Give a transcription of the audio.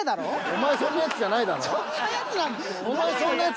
お前そんなやつじゃないだろ？